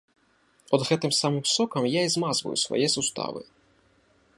От гэтым самым сокам я і змазваю свае суставы.